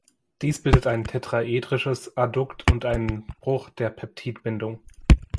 Dies bildet ein tetraedrisches Addukt und einen Bruch der Peptidbindung.